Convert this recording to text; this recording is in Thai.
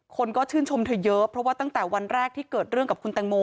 คนก็ชื่นชมเธอเยอะเพราะว่าตั้งแต่วันแรกที่เกิดเรื่องกับคุณแตงโม